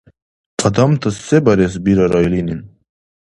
Адамтас се барес бирара илини?